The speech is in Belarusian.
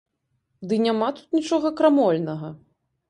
Ды няма тут нічога крамольнага!